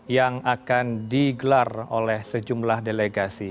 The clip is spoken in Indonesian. yang akan digelar oleh sejumlah delegasi